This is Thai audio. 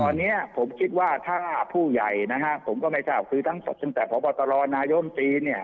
ตอนนี้ผมคิดว่าถ้าผู้ใหญ่นะฮะผมก็ไม่ทราบคือทั้งศพตั้งแต่พบตรนายมตรีเนี่ย